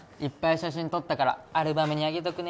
写真撮ったからアルバムに上げとくね